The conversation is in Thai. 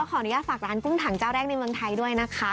ขออนุญาตฝากร้านกุ้งถังเจ้าแรกในเมืองไทยด้วยนะคะ